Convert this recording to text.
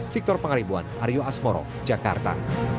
victor pangaribuan aryo asmoro jakarta